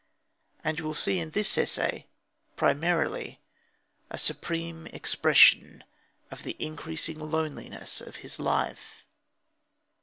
And you will see in this essay, primarily, a supreme expression of the increasing loneliness of his life.